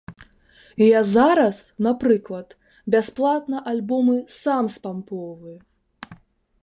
Я зараз, напрыклад, бясплатна альбомы сам спампоўваю.